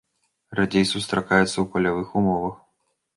Радзей сустракаецца ў палявых умовах.